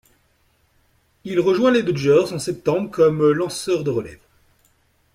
Il rejoint les Dodgers en septembre comme lanceur de relève.